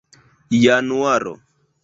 januaro